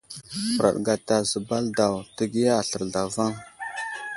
Huraɗ gata zəbal daw ,təgiya aslər zlavaŋ.